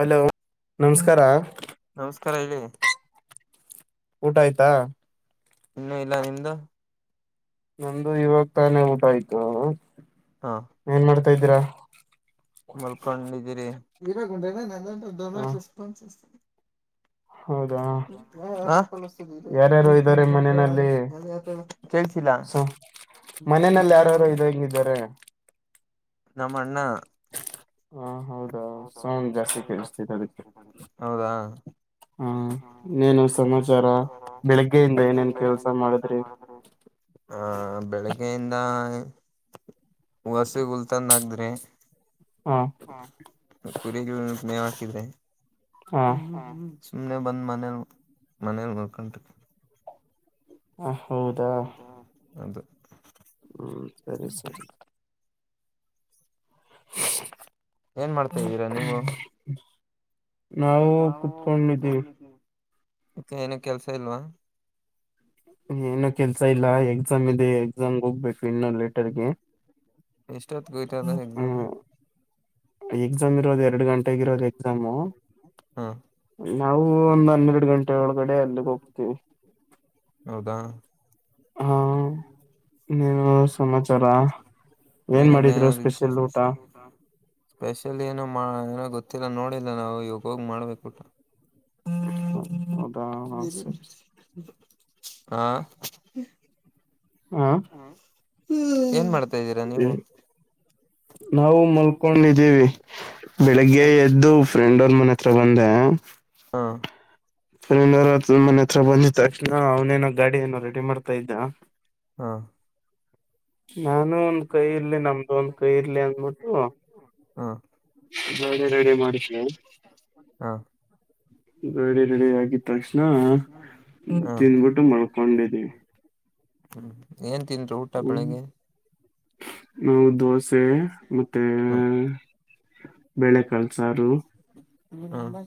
Hello ನಮಸ್ಕಾರ ನಮಸ್ಕಾರ ಹೇಳಿ ಊಟ ಆಯ್ತಾ ಇನ್ನುೂ ಇಲ್ಲ ನಿಮ್ದ ನಮ್ದು ಇವಾಗ ತಾನೇ ಊಟ ಆಯ್ತು ಹಾ ಏನ್ ಮಾಡ್ತಾ ಇದ್ದೀರಾ ಮಲ್ಕೊಂಡಿದ್ದೀರಿ ಇರ ಉಂನ ನ ಹ ರೆಪಾನ್ಸ್ತನ ಹೌದಾ ಯಾರ್ಯಾರು ಇದ್ದಾರೆ [inaudible] ಸ ಮನೆಯಲ್ಲಿ ಯಾರಾರು ಇದಂಗಿದ್ದಾರೆ ನಮ್ಮ ಅಣ್ಣ ಹ ಹೌದಾ ಸೌಂಡ್ ಜಾಸ್ತಿ ಕೇಳಿಸ್ತಿದೆ ಅದಕ್ಕೆ ಹೌದಾ ಹಾ ನೀೇನು ಸಮಾಚಾರ ಬೆಳಿಗ್ಗೆಯಿಂದ ಏನೇನ್ ಕೆಲ್ಸ ಮಾಡುದ್ರಿ ಹ ಬೆಳಗ್ಗೆಯಿಂದ ವಾಸಿಗ ಉಲ್ತನ್ ಹಗದ್ರೆ ಹ ಕುರಿ ಹಕ ಹ [unintelligible] ಸುಮ್ಮನೆ ಬಂದು ಮನೇಲಿ ಮನೇಲಿ ನಕೊಂಡಟ ಹ ಹೌದಾ ಅದು ಹ್ಮ್ ಸರಿ ಸರಿ ಏನ್ ಮಾಡ್ತಾ ಇದಿದ್ದೀರಾ ನೀವು ನಾವು ಕುತ್ಕೊಂಡಿದ್ದೀವಿ ಮತ್ತ ಏನ ಕೆಲ್ಸ ಇಲ್ವಾ ಏನ ಕೆಲ್ಸ ಇಲ್ಲ ಎಕ್ಸಾಮ್ ಇದೆ ಎಕ್ಸಾಮ್ಗೆ ಹೋಗ್ಬೇಕು ಇನ್ನೊ ಲೆಟರ್ಗೆ ಎಷ್ಟ್ಟತ್ಗೆ ಹೊಯತ ಇದಾವ ಇನ್ನು ಎಕ್ಸಾಮ್ ಇರೋದು ಎರಡು ಗಂಟೆಗ ಇರೋದು ಎಕ್ಸಾಮು ಹಾ ನಾವು ಒಂದ್ ಹನ್ನೆರಡು ಗಂಟೆ ಒಳಗಡೆ ಅಲ್ಲಿಗೆ ಹೋಗ್ತೀವಿ. ಹೌದಾ ಹಾ ಇನ್ನೇನು ಸಮಾಚಾರ ಏನಿಲ್ಲ ಏ ಸ್ಪೆಷಲ್ ಊಟ ಸ್ಪೆಷಲ್ ಏನೋ ಗೊತ್ತ ಮತ್ತರ ನೋಡಿಲ್ಲ ನಾವು ಇವಾಗ ಹೋಗ್ ಮಾಡ್ಬೇಕ ಊಟ ಹ್ಮ್ ಹ್ಮ್ ಹ್ಮ್ [unintelligible] ಹಾ ಹಾ ಏನ್ ಮಾಡ್ತಾ್ದೀರಾ ನೀವು ನಾವು ಮಲ್ಕೊಂಡಿದ್ದೀವಿ ಬೆಳಿಗ್ಗೆ ಎದ್ದು ಫ್ರೆಂಡ್ ಮನೆ ಹತ್ರ ಬಂದ ಹಾ ಫ್ರೆಂಡತ್ರ ಮನೆ ಹತ್ರ ಬಂದಿದಿದ್ದ ತಕ್ಷಣ ಅವನೇನೋ ಗಾಡಿ ಏನೋ ರೆಡಿ ಮಾಡ್ತಾ ಇದ್ದ ಹಾ ನಾನು ಒಂದ್ ಕೈ ರ್ಲಿ ನಮ್ದು ಒಂದ್ ಕೈ ಇರ್ಲಿ ಅಂದಬಿಟ್ಟು ಹಾ ಹಾ ರೆಡಿ ರೆಡಿ ಆಗಿದ ತಕ್ಷಣ ಹಾ ತಿಂದ್ಬಿಟ್ಟು ಮಳ್ಕೊಂಡಿದೀವಿ ಹ್ಮ್ ಏನ್ ತಿಂದರೀ ಊಟ ಬೆಳಿಗ್ಗೆ ನಾವು ದೋಸೆ ಮತ್ತೆ ಹ್ಮ್ ಬೆಳೆ ಕಲ್ಸಾರು [unintelligible] ನಂಬ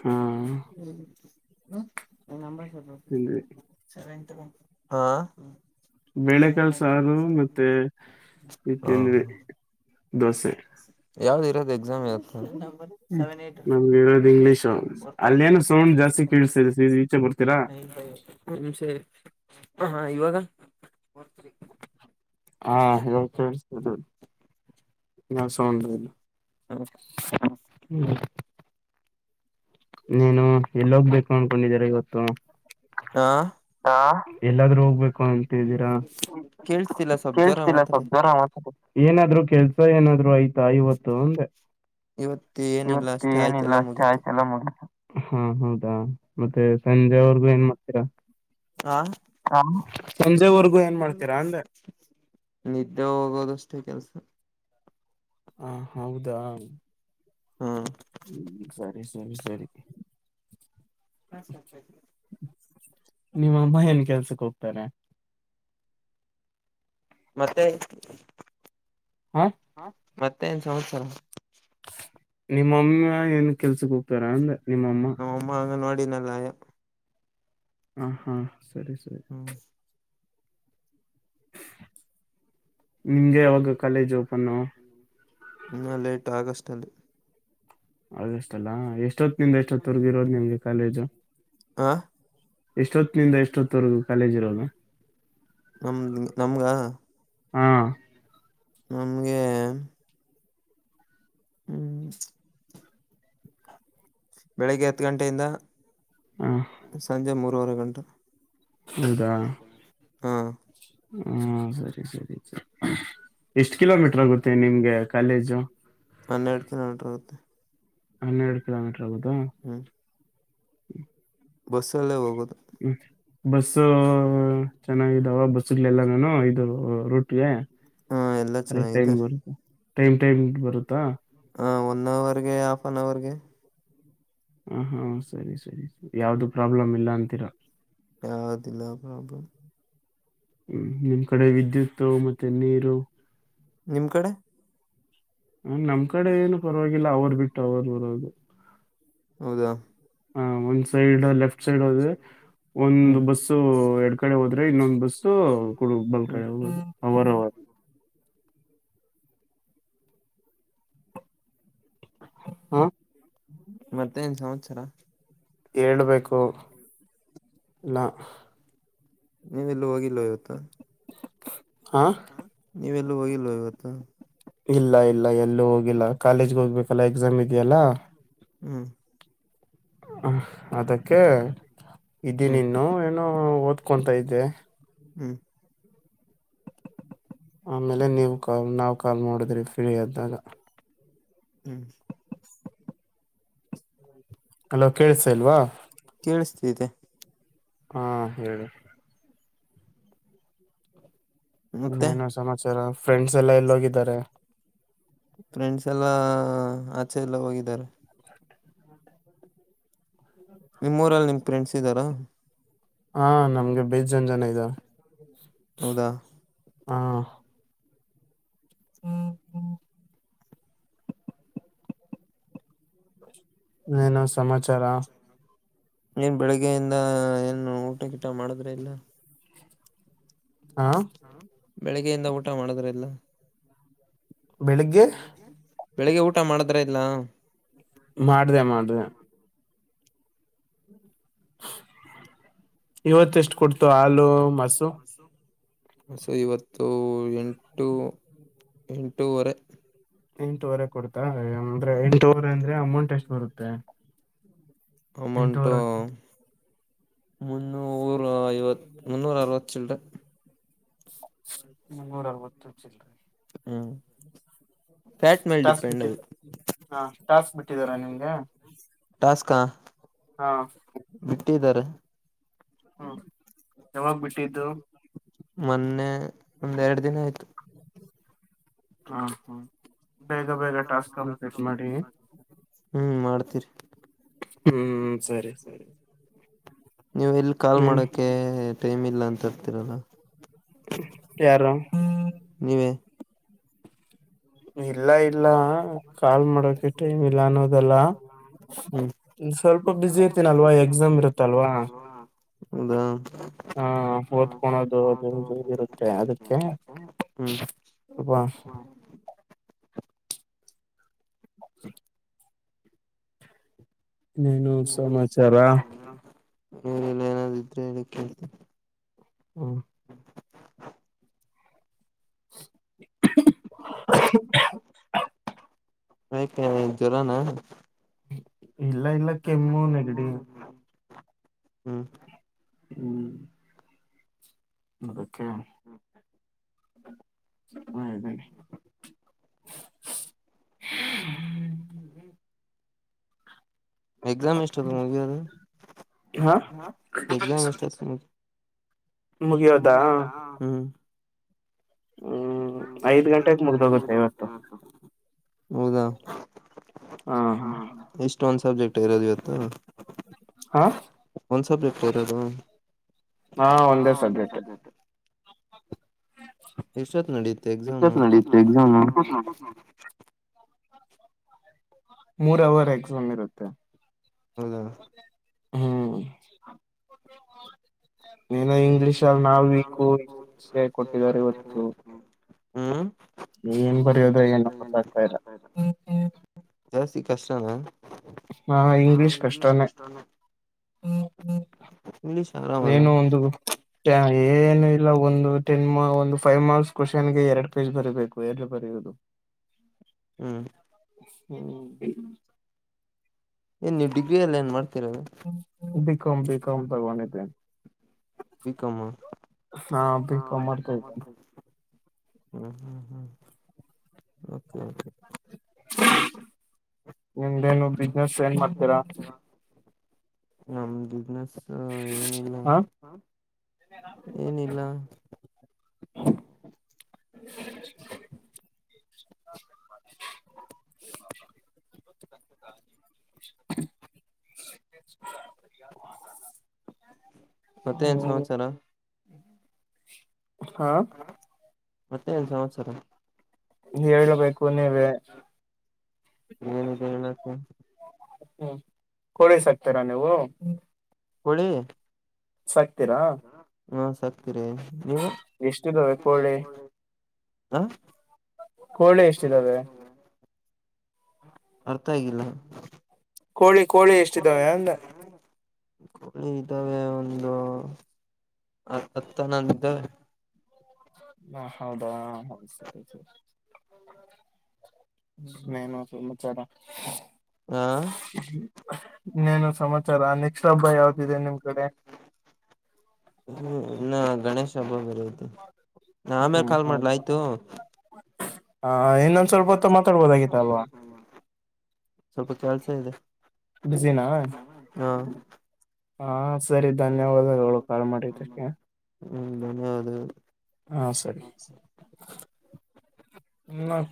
ಹಾ ನಂಬ ತಿಂದ್ವಿ ಸ ಹಾ [unintelligible] ಬೆಳೆಕಾಳ್ ಸಾರು ಮತ್ತೆ ಇತ್ ಹಾ ತಿಂದಿವಿ ದೋಸೆ ಯಾವ್ದ್ ಇರೋದು ಎಕ್ಸಾಮ್ ಇವತ್ತ ಹ್ಮ್. ಸೆವೆನ್ ಏಟ್ ನಮ್ಗೆ ಇರೋದು ಇಂಗ್ಲಿಷು ಫೋರ್ ಫೈವ ಅಲ್ಲೇನು ಸೌಂಡ್ ಜಾಸ್ತಿ ಕೇಳಿಸ್ತಿದೆ ಸೀದಾ ಈಚೆ ಬರ್ತೀರಾ ಫೋರ್ ಫೈವ್ ಒನ್ ನಿಮಷ ಇರಿ ಹ ಇವಾಗ ಫೋರ್ ಥ್ರೀ ಹಾ ಹೇಳದ ಕೇಳ್ಸ್ತಾದ ಇಲ್ಲೂ ಏನ ಸೌಂಡ್ ರೀ ಇದು ಹ್ಮ ಹ್ಮ್ ನೀನು ಎಲ್ಲೋಗ್ಬೇಕು ಅನ್ಕೊಂಡಿದೀರ ಇವತ್ತು ಹಾ ಹಾ ಎಲ್ಲಾದ್ರೂ ಹೋಗ್ಬೇಕು ಅಂತಿದೀರಾ ಕೇಳ್ಸ್ತಿಲ್ಲ ಸ್ವಲ್ಪ ಜೋರಾಗಿ ಕೇಳಿಸ್ತಿಲ್ಲ ಸ್ವಲ್ಪ ಮಾತಾಡಿ ಜೋರಾಗಿ ಮಾತಾಡಿ ಏನಾದ್ರು ಕೆಲ್ಸ ಏನಾದ್ರು ಆಯ ವತ್ತು ಅ ಇವತ್ತು ಅಂದೆ ಇವತ್ತು ಏನಿಲ್ಲ ಇವತ್ತ ಅಷ್ಟೇ ಏನಿಲ್ಲ ಆಯ್ತೆಲ್ಲ ಅಷ್ಟ ಮುಗೀತು ಆಯಸ ಎಲ್ಲ ಮುಗ ಹಾ ಹೌದಾ ಮತ್ತೆ ಸಂಜೆ ಅವರ್ಗು ಏನ್ ಮಾಡ್ತೀರಾ ಹಾ ಹ ಸಂಜೆವರ್ಗೂ ಏನ್ ಮಾಡ್ತೀರಾ ಅಂದೆ. ನಿದ್ದೆ ಹೋಗೋದಷ್ಟೇ ಕೆಲ್ಸ ಹ ಹೌದಾ ಹ್ಮ ಹ್ಮ್ ಸರಿ ಸರಿ ಸರಿ ಹ [unintelligible] ನಿಮ್ಮ ಅಮ್ಮಯಲ್ ಕೆಲ್ಸಕ್ ಹೋಗ್ತಾರೆ. ಮತ್ತೆ ಹಾ ಮತ್ತೆನ್ ಸಂವತ್ಸರ ನಿಮ್ಮಮ್ಮ ಏನ್ ಕೆಲ್ಸಕ್ ಹೋಗ್ತಾರ ಅಂದ ನ ಅಮ್ಮ ಅಂಗನವಾಡಿ ನಲ್ಲಿಯ ಹ ಹಾ ಸರಿ ಸರಿ ಹ್ಮ್ ನಿಂಗೆ ಅವಾಗ college open in late August ಅಲ್ಲಿ ಅಷ್ಟ ಅಲ್ಲಾ ಎಷ್ಟೊತ್ತ ನಿಂದ ಎಷ್ಟೊತ್ತರ್ಗ ಇರೋದು ನಿಮ್ಗೆ ಕಾಲೇಜು ಆಂ ಎಷ್ಟೊತ್ತ ನಿಿಂದ ಎಷ್ಟೊತ್ತವರೆಗೂ ಕಾಲೇಜ್ ಇರೋದು ನಮ್ದ ನಮ್ಗ ಹಾ ನಮಗೆೇ ಹ್ಮ್ ಬೆಳಿಗ್ಗೆ ಹತ್ತು ಗಂಟೆಯಿಂದ ಹ ಸಂಜೆ ಮೂರರುವರೆ ಗಂಟೆ ಹೌದಾ ಹಾ ಹಾ ಸರಿ ಸರಿ ಸರಿ ಎಷ್ಟ ಕಿಲೋಮೀಟರ್ ಆಗುತ್ತೆ ನಿಮ್ಗೆ ಕಾಲೇಜು ಹನ್ನೆರಡು ಕಿಲೋಮೀಟರ ಆಗುತ್ತೆ ಹನ್ನೆರಡು ಕಿಲೋಮೀಟರ್ ಆಗುದಾ ಹ್ಮ್ ಬಸ್ಸಲ್ಲೇ ಹೋಗೋದು ಬಸ್ಸ ಚೆನ್ನಾಗಿದಾವ ಬಸ್ಗಳೆಲ್ಲ ನಾನು ಇದು ರೂಟ್ಗೆ ಹಾ ಎಲ್ಲಾ ಅರೆ ಟೈಮ್ ಚೆನ್ನಾಗಿದೆ ಬರುತ್ತಾ ಟೈಮ್ ಟೈಮ್ ಬರುತ್ತಾ ಹ ಒಂದ ಅವರ್ಗೆ ಹಾಫ್ ಅನ್ ಅವರ್ಗೆ ಹ ಹಾ ಸರಿ ಸರಿ ಯಾವ್ದು ಪ್ರಾಬ್ಲಮ್ ಇಲ್ಲ ಅಂತೀರಾ ಯಾವದಿಲ್ಲ ಪ್ರಾಬ್ಲಮ ಹ್ಮ ನಿಮ್ ಕಡೆ ವಿದ್ಯುತ್ ಮತ್ತೆ ನೀರು ನಿಮ್ ಕಡೆ ಹ ನಮ್ ಕಡೆ ಏನು ಪರವಾಗಿಲ್ಲ ಅವರು ಬಿಟ್ಟು ಅವರು ಬರೋದು ಹೌದಾ ಹಾ ಒನ್ ಸೈಡ್ ಲೆಫ್ಟ್ ಸೈಡ್ ಹೋದ್ರೆ ಒಂದು್ ಹ್ಮ್ ಬಸ್ ಎಡ್ ಕಡೆ ಹೋದ್ರೆ ಇನ್ನೊಂದ್ ಬಸ್ಡ ಬಲ್ಕ ಹ್ಮ್ ಅವರ ಅವ ಹಾ ಮತ್ತೆನ್ ಸಂವತ್ಸರ ಹಳ್ಬೇಕು ಇಲ್ಲ ನೀನು ಎಲ್ಲೂ ಹೋಗಿಲ್ಲ ಇವತ್ತು ಹಾ ಲ್ ಇವತ್ತು ಇಲ್ಲ ಇಲ್ಲ ಎಲ್ಲೂ ಹೋಗಿಲ್ಲ ಕಾಲೇಜ್ಗೆ ಹೋಗ್ಬೇಕಲ್ಲ ಎಕ್ಸಾಮ್ ಇದೆಯಲ್ಲಾ ಹ್ಮ್ ಹ ಅದಕ್ಕೆ ಇದಿನ ಹ್ಮ್ ಇನ್ನು ಏನೋ ಓದ್ಕೊಂತ ಇದ್ದೆ ಹ್ಮ್ ಆಮೇಲೆ ನೀವು ಕಾಲ್ ನಾವ್ ಕಾಲ್ ಮಾಡಿದ್ರಿ ಫ್ರೀ ಆದ್ದಾಗ ಹ್ಮ್ ಅಲೋ ಕೇೇಳಸಲ್ವಾ ಇತೆ ಹಾ ಹೇಳ ಮತ್ತೆ ಇನ್ನೇನ ಸಮಾಚಾರ ಫ್ರೆಂಡ್ಸ್ ಎಲ್ಲಾ ಎಲ್ಲಿೋಗಿದ್ದಾರೆ ಫ್ರೆಂಡ್ಸ್ ಎಲ್ಲಾ ಆಚೆ ಎಲ್ಲ ಹೋಗಿದ್ದಾರೆ ನಿಮ್ಮ ಊರಲ್ಲಿ ನಿಮ್ ಫ್ರೆಂಡ್ಸ್ ಇದ್ದಾರಾ ಹಾ ನಮ್ಗೆ ಬೇಜ ಜನ ಜನ ಇದ ಹದ ಹಾ ಹ ಹ್ಮ ನನು ಸಮಾಚಾರ ನೀನ್ ಬೆಳಗ್ಗೆಯಿಂದ ಏನು ಊಟಗಿಟ ಮಾಡುದ್ರೆ ಇಲ್ಲ ಹಾ ಬೆಳಗ್ಗೆಯಿಂದ ಊಟ ಮಾಡುದ್ರ ಎಲ್ಲ ಬೆಳಿಗ್ಗೆ ಬೆಳಿಗ್ಗೆ ಊಟ ಮಾಡಿದ್ರ ಇಲ್ಲ ಮಾಡ್ದ ಮಾಡ್ದ ಇವತ್ತ ಎಷ್ಟು ಕೊಡ್ತು ಹಾಲು ಮಸು ಸೊ ಇವತ್ತು ಎಂಟು ಎಂಟೂವರೆ ಎಂಟೂುವರೆ ಕೊಡ್ತಾಂದ್ರೆ ಎಂಟೂುವರೆ ಅಂದ್ರೆ ಅಮೌಂಟ್ ಎಷ್ಟು ಬರುತ್ತೆ ಅಮಟು ಎಂಟೂವರೆ ಮುನ್ನೂರ ಐವತ್ ಮುನ್ನೂರ ಅರವತ್ತಲ್ರ ನೂರಲ್ವತ್ತುಚ್ಚಲ್ರಿ ಹ್ಮ ಟಾಸ್ ಬಿಟ್ಟ ಹ ಟಾಸ್ ಬಿಟ್ಟಿದಾರಾ ನಿಮ್ಗೆ ಟಸ್ಕಾ ಹಾ ಹಟ್ಟಿದ್ದಾರೆ ಹ್ಮ್ ಯಾವಾಗ್ ಬಿಟ್ಟಿದ್ದು ಮೊನ್ನೆ ಒಂದ್ೆರಡು ದಿನ ಆಯ್ತು ಹಾ ಹಾ ಬೇಗ ಬೇಗ ಟಾಸ್ಕ್ ಕಂಪ್ಲೀಟ್ ಮಾಡಿ ಹ್ಮ್ ಮಾಡ್ತೀರಿ ಹ್ಮ್ ಸರಿ ಸರಿ ನೀವು ಎಲ್ಲಿ ಕಾಲ್ ಏನ್ ಮಾಡೋಕೆ ಟೈಮ್ ಇಲ್ಲ ಅಂತರ್ತಿೀರಲ್ಲ ಯ್ಯಾರ ನೀವೇ ಇಲ್ಲ ಇಲ್ಲ ಕಾಲ್ ಮಾಡೋಕ ಟೈಮ್ ಇಲ್ಲ ಅನ್ನೋದಲ್ಲ ಹ್ಮ್ ಸ್ವಲ್ಪ ಬಝಿ ಇರ್ತೀನಲ್ವಾ ಎಕ್ಸಾಮ್ ಇರುತ್ತಲ್ವಾ ಹೌದಾ ಹಾ ಓದ್ಕೊಳೋದು ಅದು ಇರುತ್ತೆ ಅದಕ್ಕೆ ಹ್ಮ್ ಉಪಸ್ ನೀೇನು ಸಮಾಚಾರ ನೀಲ್ಲ ಏನಾದಿದ್ರೆ ಹೇಳಕ್ಕೆೇಳ್ತ ಹಾ [inaudible] ಆಯಕ ಜ್ವರಾನ ಇಲ್ಲ ಇಲ್ಲ ಕೆಮ್ಮು ನೆಗಡಿ ಹ್ಮ್ ಹ್ಮ್ ಮಕ್ಕೆ ಹ್ಮ ಆತನೆ [inaudible] ಎಕ್ಸಾಮ್ ಎಷ್ಟತ್ತು ಮು ಅದು ಹಾ ಎಕ್ಾಮ್ ಎಷ್ಟ ಮುಗಿಯೋದಾ ಮುಗದಾ ಹ್ಮ್ ಐದ್ ಗಂಟೆಗೆ ಗಂಟೆ ಮುಗ್ದೋಗುತ್ತೆ ಮು್ದೋಗುತ್ತೆ ಇವತ್ತು ಯತ್ತು ಹೌದಾ ಹಾ ಹ ಎಷ್ಟು ಒಂದ್ ಸಬ್ಜೆಕ್ಟ್ ಇರೋದು ಇತ್ತು ಹಾ ಒಂದ್ ಸಬ್ಜೆಕ್ಟ್ ಬರಿಯೋದು ಹ ಒಂದೇ ಸಬ್ಜೆಕ್ಟ್ ಎಷ್ಟತ್ ನಡಿಯುತ್ತೆ ಎಕ್ಸಾಮ ಎಷ್ಟೊತ್ ನಡೀತು ಎಕ್ಸಾಮು ಮೂರ್ ಅವರ್ ಎಕ್ಸಾಮ್ ಇರುತ್ತೆ ಹೌದಾ ಹ್ಮ್ ಏನೋ ಇಂಗ್ಲಿೀಷ್ಲ್ಲಿ ನಾವು ಇಂಗ್ಷ್ಗೆ ಕೊಟ್ಟಿದಿದ್ದಾರೆ ಇವತ್ತು ಹ್ಮ್ ನೀನ್ ಬರೆಯೋದ ಏನು ಗತ್ತಾಗ್ತಾ ಇಲ್ಲ ಕಷ್ಟನ ಹಾ ಇಂಗ್ಲೀಷ್ ಕಷ್ಟಾನೇ ಇಂಗ್ಲಿಷ್ ಅರಾಮ್ ಅಲ್ಲ ನೀನು ಒಂದು ಏನು ಇಲ್ಲ ಒಂದು ಟೆನ್ ಒಂದು ಫೈವ್ ಮಾರ್ಕ್ಸ್ ಕ್ವಶನ್ಗೆ ಎರಡ್ ಪೇಜ್ ಬರಿಬೇಕು ಬರಿಯೋದು ಹ್ಮ್ ಏನ್ ನೀವು ಡಿಗ್ರಿಯಲ್ಲಿ ಏನ್ ಮಾಡ್ತಿರೋದು ಹ್ಮ ಕಂ ಬಿ ಕಂ ತಕೊಂಡಿದೆ ಬಿಕಾಂ ಮು ಹಾ ಬಿಕಾಂ ಮಾಡತ ಇದ ಹ್ಮ್ ಹ್ಮ್ ಹ್ಮ್ [unintelligible] ನಿಮ್ದೇನು ಬಿಸ್ನೆಸ್ ಏನ್ ಮಾಡ್ತೀರಾ ನಮ್ ಬ್ಯುಸಿನೆಸ್ ಹ ಏನಿಲ್ಲ ಹ ಏನಿಲ್ಲ [inaudible] [inaudible] [inaudible] [inaudible] ಮತ್ತೆ ಏನ್ ಹ್ಮ್ ಸಮಾಚಾರ ಹಾ ಮತ್ತೆ ಎನ್ ಸಮಾಚಾರ ಹೇಳಬೇಕು ನೀವೇ ಏನ್ ಇದೆ ಹೇಳೋಕೆ ಹ್ಮ್ ಕೊಳ್ಳಿ ಸಾಕ್ತಿರಾ ನಿವು ಕೋಳಿ ಸಾಕ್ತೀರಾ ಹಾ ಸಾಕ್ತಿರೀ ನೀವು, ಎಷ್ಟಿದಾವೆ ಕೋಳಿ ಹಾಂ ಕೋಳಿ ಎಷ್ಟಿದಾವೆ ಅರ್ಥ ಆಗಿಲ್ಲ ಕೋಳಿ ಕೋಳಿ ಎಷ್ಟಿದ್ದಾವೆ ಅಂದೆ ಕೋಳಿ ಇದ್ದಾವೆ ಒಂದು. ಆ ಹತ್ ಹನ್ನೊಂದು ಇದಾವೆ ಹಾ ಹೌದಾ ಹೌದ್ ಹ್ಮ್ ಸರಿ ಸರಿ ಇನ್ ಏನು ಸಮಾಚಾರ ಆ ಇನ್ ಏನು ಸಮಾಚಾರ ಅಂದಿ ಇನ್ನ ಗಣೇಶ ಹಬ್ಬ ಬರು ಹ್ಮ ಹೌದ ಹ ಇನ್ನೊಂದ್ ಸ್ವಲ್ಪ ಹೊತ್ತು ಮಾತಾಡ್ಬೋದಾಗಿತ್ತಲ್ವಾ ಸ್ವಲ್ಪ ಕೆಲ್ಸ ಇದೆ ಬ್ಯುಸಿ ನಾ ಹಾ ಹಾ ಸರಿ ಧನ್ಯವಾದಗಳು ಕಾಲ್ ಮಾಡಿದ್ದಕ್ಕೆ ಹ್ಮ್ ಧನ್ಯವಾದಗಳು ಹಾ ಸರಿ ಹ್ಮ್